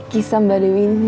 kisah mbak dewi ini